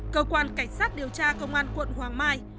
cơ quan cảnh sát điều tra công an quận hoàng mai